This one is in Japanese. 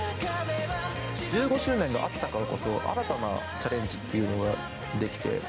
１５周年があったからこそ新たなチャレンジができて。